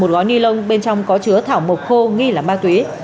một gói ni lông bên trong có chứa thảo mộc khô nghi là ma túy